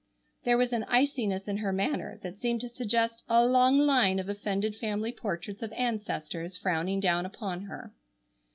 There was an iciness in her manner that seemed to suggest a long line of offended family portraits of ancestors frowning down upon her.